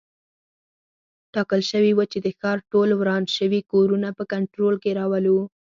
ټاکل شوي وه چې د ښار ټول وران شوي کورونه په کنټرول کې راولو.